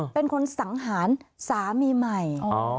เป็นคนสังหารสามีใหม่